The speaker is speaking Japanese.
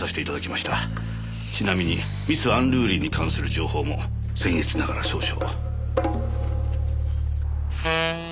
ちなみにミス・アンルーリーに関する情報も僭越ながら少々。